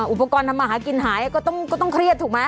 อุปกรณ์ทำมาหากินหายก็ต้องเครียดถูกไหม